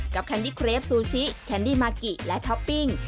แคนดี้เครฟซูชิแคนดี้มากิและท็อปปิ้ง